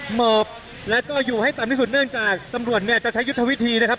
หมอบแล้วก็อยู่ให้ต่ำที่สุดเนื่องจากตำรวจเนี่ยจะใช้ยุทธวิธีนะครับ